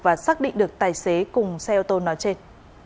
và xác định được tài xế cùng xe ô tô nói trên